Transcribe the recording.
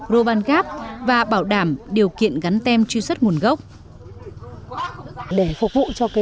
robal gap và bảo đảm điều kiện gắn tem truy xuất nguồn gốc